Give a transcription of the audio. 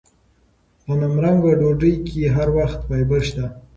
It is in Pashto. غنمرنګه ډوډۍ کې هر وخت فایبر شته.